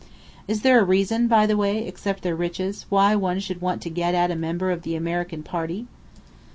Is there a reason, by the way, except their riches, why one should want to 'get at' a member of the American party?"